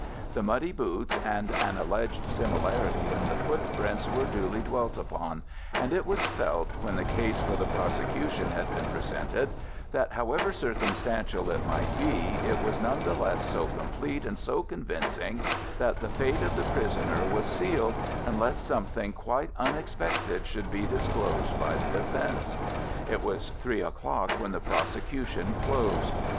The muddy boots and an alleged similarity in the footprints were duly dwelt upon, and it was felt when the case for the prosecution had been presented that, however circumstantial it might be, it was none the less so complete and so convincing, that the fate of the prisoner was sealed, unless something quite unexpected should be disclosed by the defence. It was three o'clock when the prosecution closed.